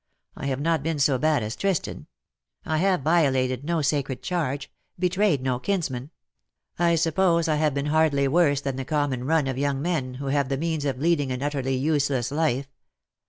I have not been so bad as Tristan. I have violated no sacred charge — betrayed no kinsman. I suppose I have been hardly worse than the common run of 121 young men, who have the means of leading an utterly useless life.